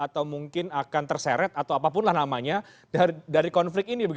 atau mungkin akan terseret atau apapun lah namanya dari konflik ini